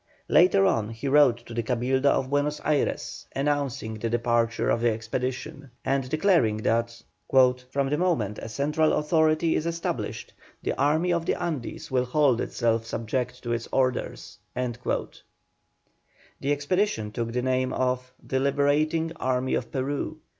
Later on he wrote to the Cabildo of Buenos Ayres, announcing the departure of the expedition, and declaring that: "From the moment a central authority is established the Army of the Andes will hold itself subject to its orders." The expedition took the name of "The Liberating Army of Peru."